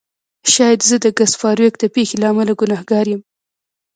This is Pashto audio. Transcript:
شاید زه د ګس فارویک د پیښې له امله ګناهګار یم